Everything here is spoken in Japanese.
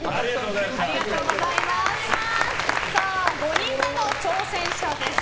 ５人目の挑戦者です。